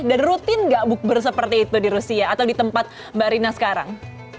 dan rutin nggak bukber seperti itu di rusia atau di tempat mbak rina sekarang